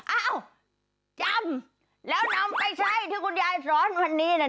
เอ้าจำแล้วนำไปใช้ที่คุณยายสอนวันนี้นะ